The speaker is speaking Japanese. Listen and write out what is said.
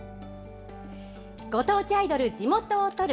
ご当地アイドル地元を撮る。